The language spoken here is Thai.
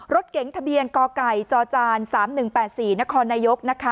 รถเก๋งทะเบียนกไก่จจ๓๑๘๔นครนายกนะคะ